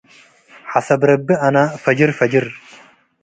ሐሰብ ረቢ አነ ፈጅር-ፈጅር፡